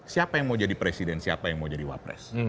siapa yang mau jadi presiden siapa yang mau jadi wapres